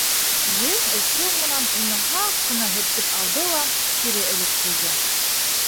Ең осо менән уны һаҡ ҡына һөртөп алды ла кире элеп ҡуйҙы.